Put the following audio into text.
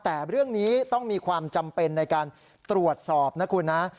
แต่เรื่องนี้ต้องมีความจำเป็นในการตรวจสอบนะคุณนะ